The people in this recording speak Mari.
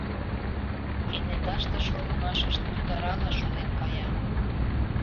Кенеташте шонымашышт тӱтырала шулен кая.